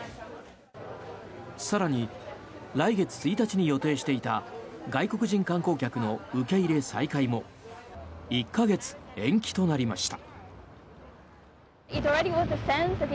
更に来月１日に予定していた外国人観光客の受け入れ再開も１か月延期となりました。